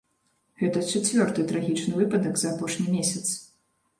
Гэта чацвёрты трагічны выпадак за апошні месяц.